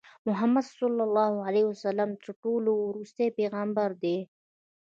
محمدﷺ تر ټولو ورستی پیغمبر دی.